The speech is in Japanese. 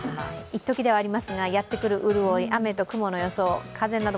一時ではありますがやってくる潤い、雨と風の予想。